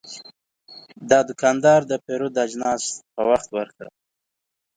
دا دوکاندار د پیرود اجناس په وخت ورکړل.